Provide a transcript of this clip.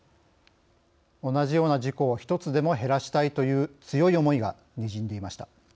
同じような事故を１つでも減らしたいという強い思いがにじんでいました。